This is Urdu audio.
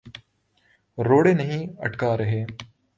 روڑے نہیں اٹکا رہے۔